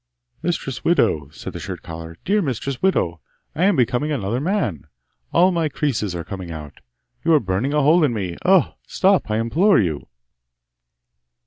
'Mistress widow!' said the shirt collar, 'dear mistress widow! I am becoming another man, all my creases are coming out; you are burning a hole in me! Ugh! Stop, I implore you!